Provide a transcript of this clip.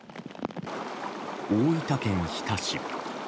大分県日田市。